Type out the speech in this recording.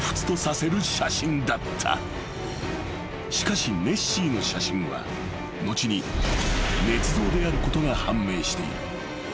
［しかしネッシーの写真は後に捏造であることが判明している］